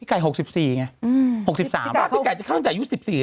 พี่ไก่๖๔อย่างนี้ฝง๖๓ไหมพี่ไก่คิดอาจจะข้างอาจจะอยู่๑๔ไหม